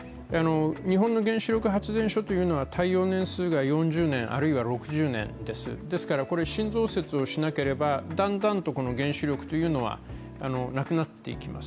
日本の原子力発電所というのは耐用年数が４０年、あるいは６０年です、ですから新増設をしなければだんだんと原子力はなくなっていきます。